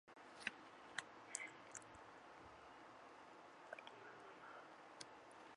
童男者尤良。